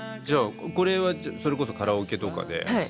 じゃあこれはそれこそカラオケとかで。